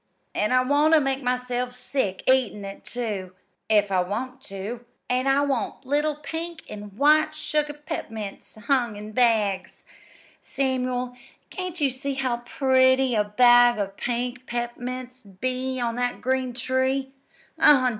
An' I want to make myself sick eatin' it, too, if I want to; an' I want little pink an' white sugar pep'mints hung in bags. Samuel, can't you see how pretty a bag o' pink pep'mints 'd be on that green tree?